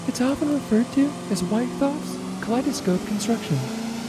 It is often referred to as Wythoff's kaleidoscopic construction.